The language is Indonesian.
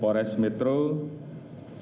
saya punya daftar yang sangat tinggi